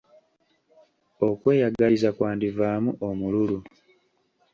Okweyagaliza kwandivaamu omululu.